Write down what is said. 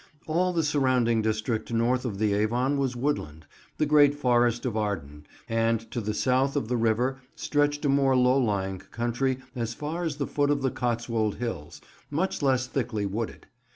All the surrounding district north of the Avon was woodland, the great Forest of Arden; and to the south of the river stretched a more low lying country as far as the foot of the Cotswold Hills, much less thickly wooded.